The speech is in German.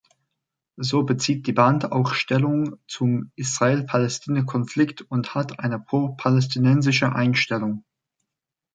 So bezieht die Band auch Stellung zum Israel-Palästina Konflikt und hat eine pro-palästinensische Einstellung.